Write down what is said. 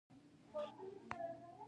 څوک غواړي چې په خپله ټولنه کې بدلون راولي